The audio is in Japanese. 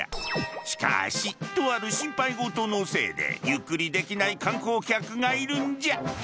しかしとある心配事のせいでゆっくりできない観光客がいるんじゃ。